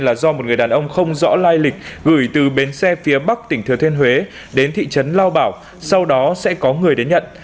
là do một người đàn ông không rõ lai lịch gửi từ bến xe phía bắc tỉnh thừa thiên huế đến thị trấn lao bảo sau đó sẽ có người đến nhận